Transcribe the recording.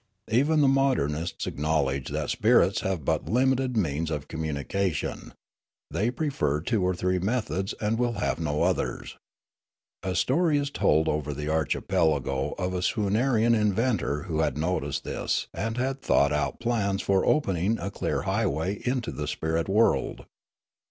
Even the modernists acknowledge that spirits have but limited means of communication ; they prefer two or three methods and will have no others. A story is told over the archipelago of a Swoonarian inventor w^ho had noticed this and had thought out plans for opening a clear highway into the spirit world.